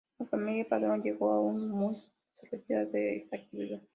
La familia Padrón Lleó aún hoy desarrolla esta actividad.